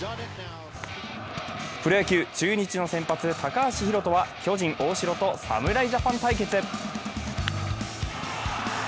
プロ野球、中日の先発高橋宏斗は巨人・大城と侍ジャパン対決。